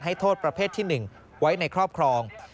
โทษประเภทที่๑ไว้ในครอบครอง